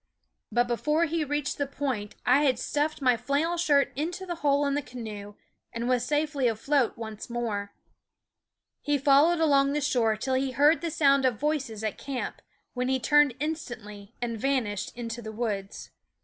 But before he reached the point V* jfS~ Qizenaw/s g l/jnouenaw/s ^ SCHOOL OF I had stuffed my flannel shirt into the hole * n ^ e canoe anc * was sa fely afloat once more. He followed along the shore till he heard the sound of voices at camp, when he turned instantly and vanished into the woods.